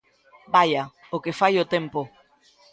Vaia, o que fai o tempo.